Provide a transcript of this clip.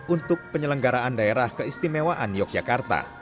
untuk penyelenggaraan daerah keistimewaan yogyakarta